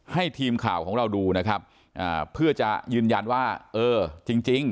ให้ทีมข่าวของเราดูนะครับอ่าเพื่อจะยืนยันว่าเออจริงจริง